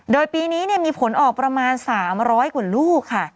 โดยปีนี้มีผลออกประมาณ๓๐๐กว่าลูกค่ะ